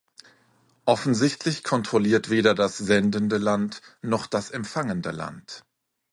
Offensichtlich kontrolliert weder das sendende Land noch das empfangende Land.